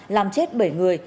làm chết bảy người